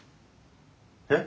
えっ？